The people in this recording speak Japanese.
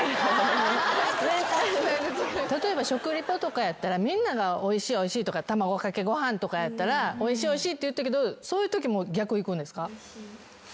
例えば食リポとかやったらみんなが「おいしいおいしい」とか卵かけご飯とかやったら「おいしいおいしい」って言ってるけど。